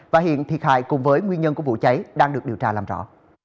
và hiện thiệt hại cùng với nguyên nhân của vụ cháy đang được điều tra làm rõ